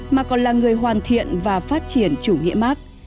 mà còn là người hoàn thiện và phát triển chủ nghĩa mark